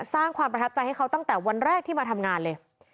สร้างความประทับใจให้เขาตั้งแต่วันแรกที่มาทำงานเลย